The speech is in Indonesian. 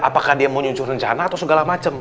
apakah dia mau nyuncur rencana atau segala macam